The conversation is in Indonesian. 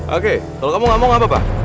oke kalau kamu gak mau gak apa apa